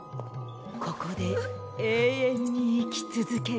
ここで永遠に生き続けるのよ。